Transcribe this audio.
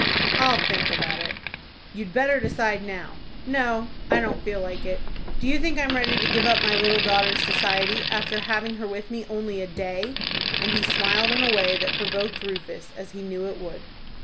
"I'll think about it." "You'd better decide now." "No, I don't feel like it. Do you think I'm ready to give up my little daughter's society, after having her with me only a day?" and he smiled in a way that provoked Rufus, as he knew it would.